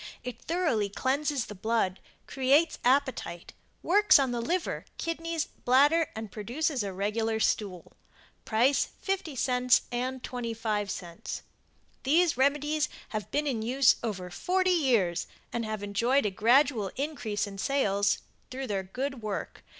It thoroughly cleanses the blood, creates appetite, works on the liver, kidneys, bladder and produces a regular stool. Price, 50c and 25c. These remedies have been in use over 40 years and have enjoyed a gradual increase in sales through their good work.